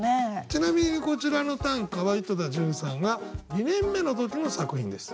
ちなみにこちらの短歌は井戸田潤さんが２年目の時の作品です。